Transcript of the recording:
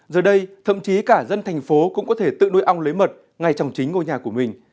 giờ đây thậm chí cả dân thành phố cũng có thể tự nuôi ong lấy mật ngay trong chính ngôi nhà của mình